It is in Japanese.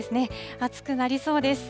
暑くなりそうです。